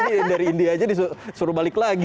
ini dari india aja disuruh balik lagi